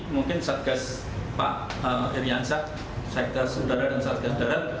mungkin satgas pak iryansak satgas udara